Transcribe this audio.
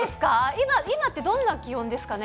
今ってどんな気温ですかね。